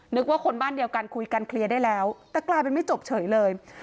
นึกว่าคนบ้านเดียวกันคุยกันเคลียร์ได้แล้วแต่กลายเป็นไม่จบเฉยเลย